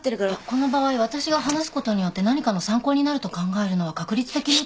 この場合私が話すことによって何かの参考になると考えるのは確率的に。